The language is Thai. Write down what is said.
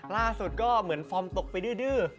ล่าสุดก็เหมือนฟอร์มตกไปดื้อ